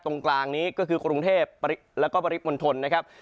ตรงกลางนี้ก็คือกรุงเทพแล้วก็ปริมณฑลนะครับ